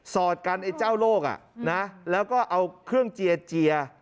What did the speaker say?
อดกันไอ้เจ้าโลกแล้วก็เอาเครื่องเจียเจีย